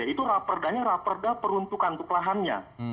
itu perdanya peruntukan kelahannya